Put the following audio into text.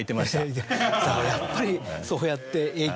やっぱりそうやって。